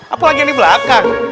apalagi yang di belakang